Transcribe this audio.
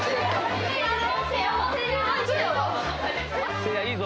せいやいいぞ。